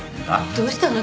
どうしたの？